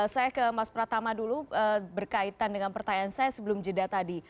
saya ke mas pratama dulu berkaitan dengan pertanyaan saya sebelum jeda tadi